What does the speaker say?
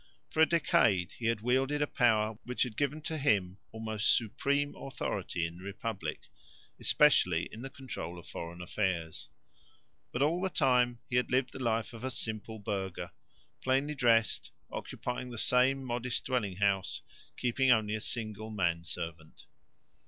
For a decade he had wielded a power which had given to him almost supreme authority in the republic, especially in the control of foreign affairs. But all the time he had lived the life of a simple burgher, plainly dressed, occupying the same modest dwelling house, keeping only a single manservant.